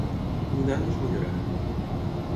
Mudar no és millorar.